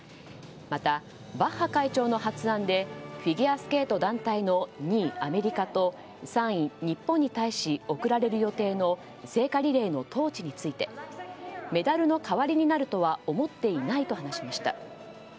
また、バッハ会長の発案でフィギュアスケート団体の２位、アメリカと３位、日本に対し贈られる予定の聖火リレーのトーチについてメダルの代わりになるとは思っていないと話しました。